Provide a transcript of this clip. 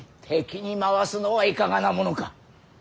敵に回すのはいかがなものか。